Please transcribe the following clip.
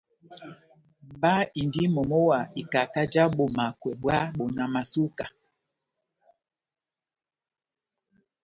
Mba indi momo wa ikaka já bomakwɛ bwá bonamasuka.